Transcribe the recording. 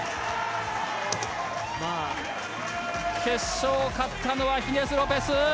決勝、勝ったのはヒネス・ロペス！